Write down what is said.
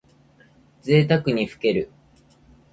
ぜいたくにふける。